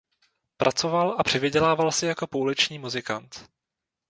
Pracoval a přivydělával si jako pouliční muzikant.